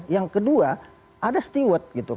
yang kedua ada steward gitu